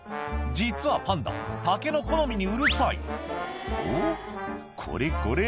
実はパンダ竹の好みにうるさい「おっこれこれ！